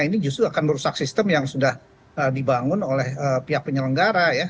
ini justru akan merusak sistem yang sudah dibangun oleh pihak penyelenggara ya